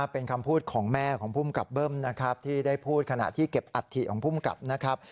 เป็นคำภูติของแม่ของผู้กรับเบิ้มที่ได้พูดขณะที่เก็บอัฐิบาลของผู้กรับ